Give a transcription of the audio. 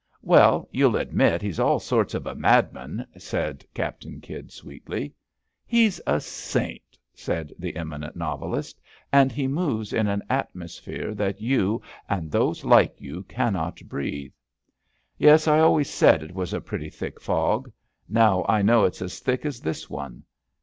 *' Well, you'll admit he's all sorts of a madman," said Captain Kydd sweetly. He's a saint," said the eminent novelist, and he moves in an atmosphere that you and those like you cannot breathe." Yes, I always said it was a pretty thick fog. Now I know it's as thick as this one.